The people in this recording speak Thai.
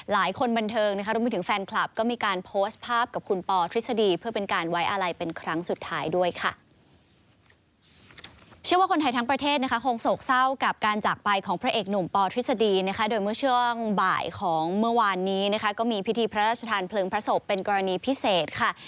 บ่ายของเมื่อวานนี้นะครับก็มีพิธีพระราชทานพลึงพระศพเป็นกรณีพิเศษค่ะ